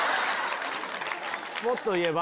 もっと言えば。